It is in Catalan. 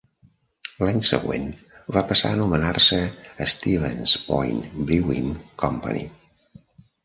L'any següent, va passar a anomenar-se Stevens Point Brewing Company.